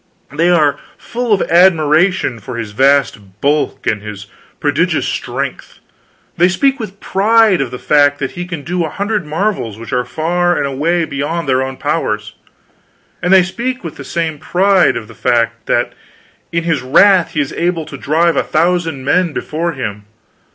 They are full of admiration of his vast bulk and his prodigious strength; they speak with pride of the fact that he can do a hundred marvels which are far and away beyond their own powers; and they speak with the same pride of the fact that in his wrath he is able to drive a thousand men before him.